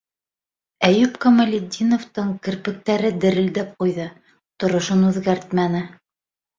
Әйүп Камалетдиновтың керпектәре дерелдәп ҡуйҙы - торошон үҙгәртмәне.